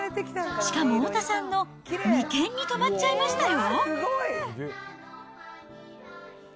しかも太田さんの眉間に止まっちゃいましたよ。